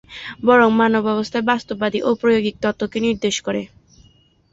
বরং মানব অবস্থার বাস্তববাদী ও প্রায়োগিক তত্ত্বকে নির্দেশ করে।